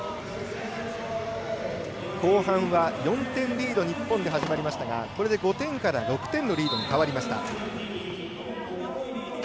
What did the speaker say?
後半は４点リード日本で始まりましたがこれで６点に変わりました。